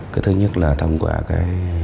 cái thứ nhất là thông qua cái